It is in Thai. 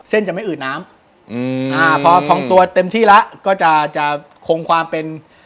จะไม่อืดน้ำอืมอ่าพอทองตัวเต็มที่แล้วก็จะจะคงความเป็น